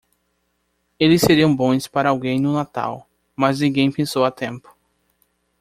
Eles seriam bons para alguém no Natal, mas ninguém pensou a tempo.